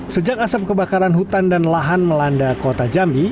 sejak asap kebakaran hutan dan lahan melanda kota jambi